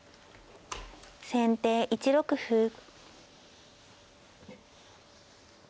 先手１六歩。